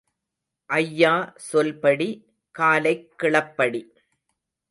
ஐயா சொல்படி காலைக் கிளப்படி.